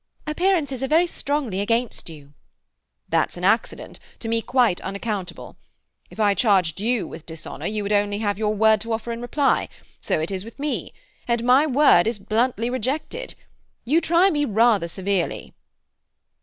"Appearances are very strongly against you." "That's an accident—to me quite unaccountable. If I charged you with dishonour you would only have your word to offer in reply. So it is with me. And my word is bluntly rejected. You try me rather severely."